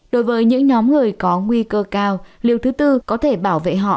đối với những nhóm người có nguy cơ cao liều thứ tư có thể bảo vệ họ